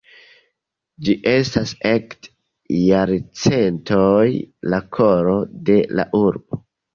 Ĝi estas ekde jarcentoj la koro de la urbo.